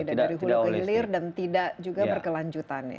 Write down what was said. dari hulu ke hilir dan tidak juga berkelanjutan ya